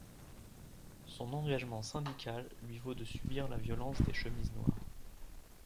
Son engagement syndical lui vaut de subir la violence des chemises noires.